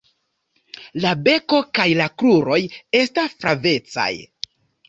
La beko kaj la kruroj esta flavecaj.